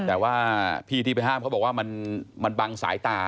แต่ว่าพี่ที่ไปห้ามเขาบอกว่ามันบังสายตา